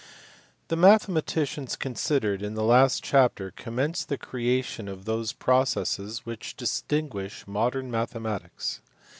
THE mathematicians considered in the last chapter com menced the creation of those processes which distinguish modern mathematics.